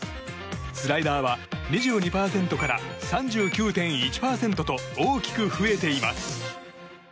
スライダーは２２％から３９．１％と大きく増えています。